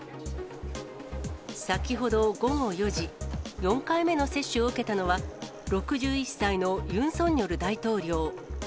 先ほど午後４時、４回目の接種を受けたのは、６１歳のユン・ソンニョル大統領。